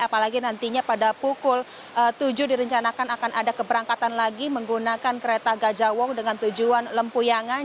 apalagi nantinya pada pukul tujuh direncanakan akan ada keberangkatan lagi menggunakan kereta gajah wong dengan tujuan lempuyangan